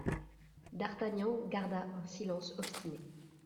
D'Artagnan garda un silence obstiné.